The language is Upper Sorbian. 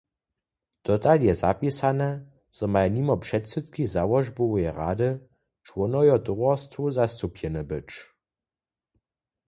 Dotal je zapisane, zo maja nimo předsydki załožboweje rady čłonojo towarstwow zastupjene być.